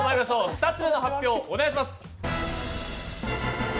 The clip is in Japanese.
２つ目の発表、お願いします。